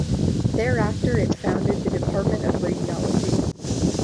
Thereafter it founded the Department of Radiology.